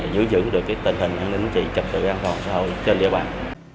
giữ dưỡng được tình hình an ninh trị trật tự an toàn xã hội trên địa bàn